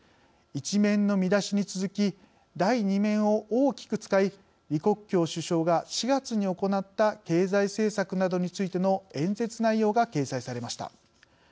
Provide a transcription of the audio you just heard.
１面の見出しに続き第２面を大きく使い李克強首相が４月に行った経済政策などについての演説内容が掲載されました。